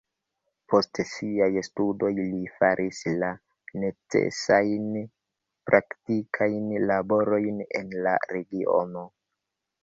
Post siaj studoj li faris la necesajn praktikajn laborojn en la regiono.